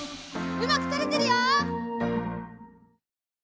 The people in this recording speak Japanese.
うまくとれてるよ！